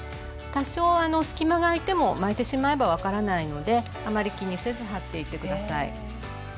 多少隙間が空いても巻いてしまえば分からないのであまり気にせず貼っていって下さい。